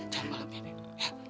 jangan malam ini ya